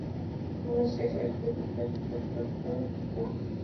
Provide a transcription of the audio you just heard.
আমাকে শেষ একটা জিজ্ঞাসাবাদ করতে হবে।